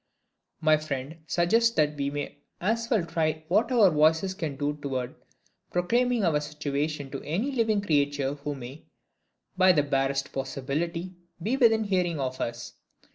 My friend suggests that we may as well try what our voices can do toward proclaiming our situation to any living creature who may, by the barest possibility, be within hearing of us.